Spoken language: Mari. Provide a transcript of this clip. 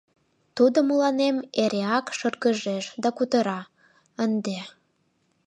— Тудо мыланем эреак шыргыжеш да кутыра... ынде.